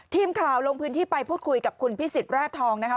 ทีมข่าวลงพื้นที่ไปพูดคุยกับคุณพิสิทธิแร่ทองนะคะ